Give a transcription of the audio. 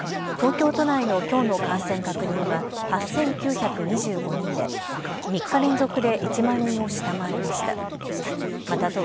東京都内のきょうの感染確認は８９２５人で３日連続で１万人を下回りました。